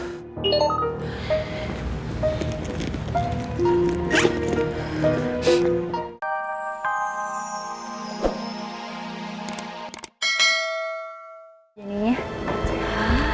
aku mau ke rumah